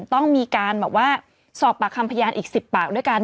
ต้องมีการแบบว่าสอบปากคำพยานอีก๑๐ปากด้วยกัน